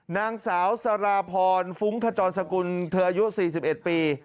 นางสาวสาราพรฟุ้งขจรสกุลเธออายุ๔๑ปี